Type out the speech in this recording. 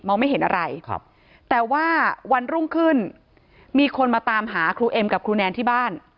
ไม่เห็นอะไรครับแต่ว่าวันรุ่งขึ้นมีคนมาตามหาครูเอ็มกับครูแนนที่บ้าน